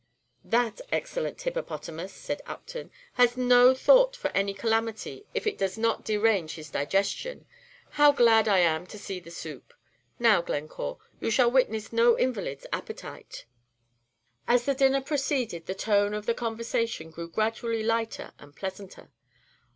"That excellent hippopotamus," said Upton, "has no thought for any calamity if it does not derange his digestion! How glad I am to see the soup! Now, Glencore, you shall witness no invalid's appetite." As the dinner proceeded, the tone of the conversation grew gradually lighter and pleasanter.